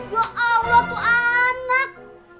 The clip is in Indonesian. wah lo tuh anak